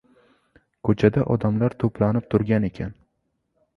Ko‘chada odamlar to‘planib turgan ekan.